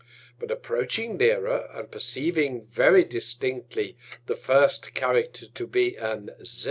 But approaching nearer, and perceiving very distinctly the first Character to be an Z.